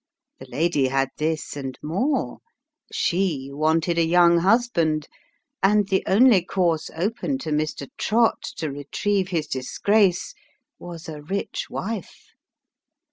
The lady had this, and more ; she wanted a young husband, and the only course open to Mr. Trott to retrieve his disgrace was a rich wife.